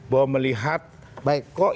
bahwa melihat baik kok